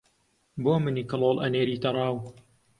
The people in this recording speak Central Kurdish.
بۆ منی کڵۆڵ ئەنێریتە ڕاو